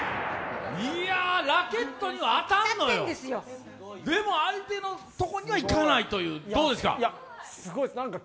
ラケットには当たんのよ、でも相手のとこには行かないという、どうですか？